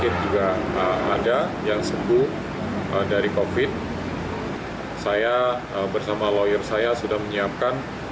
itu yang akan kita lakukan dalam waktu dekat